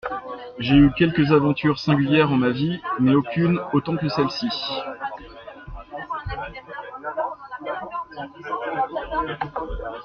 J'ai eu quelques aventures singulières en ma vie, mais aucune autant que celle-ci.